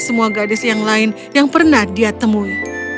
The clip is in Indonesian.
semua gadis yang lain yang pernah dia temui